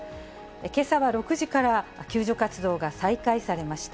けさは６時から救助活動が再開されました。